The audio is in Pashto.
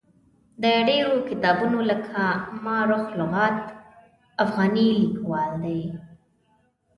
د ډېرو کتابونو لکه ما رخ لغات افغاني لیکوال دی.